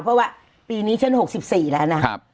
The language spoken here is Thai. เพราะว่าปีนี้ร์ปีนี้ฉัน๖๔แล้วนะ